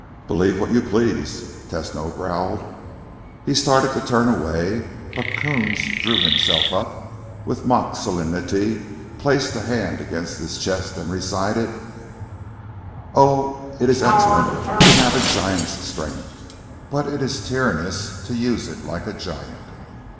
"Believe what you please," Tesno growled. He started to turn away, but Coons drew himself up with mock solemnity, placed a hand against his chest and recited: "'Oh, it is excellent To have a giant's strength; but it is tyrannous To use it like a giant."